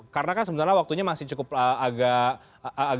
karena kan sebenarnya waktunya masih cukup agak